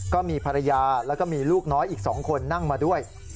ก็มีภรรยาแล้วก็มีลูกน้อยอีก๒คนนั่งมาด้วย